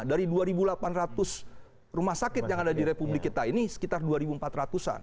dari dua delapan ratus rumah sakit yang ada di republik kita ini sekitar dua empat ratus an